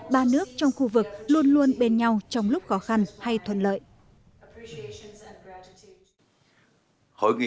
ba nước trong khu vực luôn luôn bên nhau trong lúc khó khăn hay thuận lợi